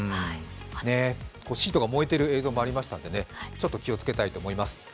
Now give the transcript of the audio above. シートが燃えている映像もありましたので気をつけたいと思います。